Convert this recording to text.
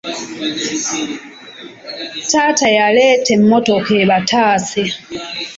Taata yaleeta emmotoka abataase.